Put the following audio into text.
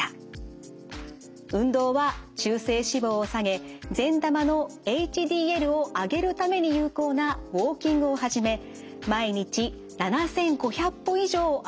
運動は中性脂肪を下げ善玉のＨＤＬを上げるために有効なウォーキングを始め毎日７，５００歩以上歩くようにしました。